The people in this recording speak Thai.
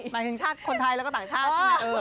หมายถึงคนไทยและต่างชาติใช่ไหมเออ